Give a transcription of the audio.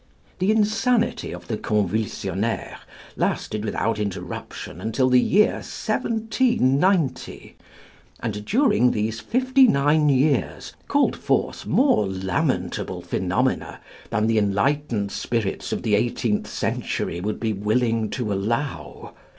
The insanity of the Convulsionnaires lasted without interruption until the year 1790, and during these fifty nine years called forth more lamentable phenomena that the enlightened spirits of the eighteenth century would be willing to allow.